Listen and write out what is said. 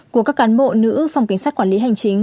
của các cán bộ nữ phòng cảnh sát quản lý hành chính